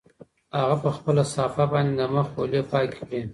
هغه په خپله صافه باندې د مخ خولې پاکې کړې.